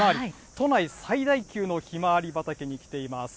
都内最大級のひまわり畑に来ています。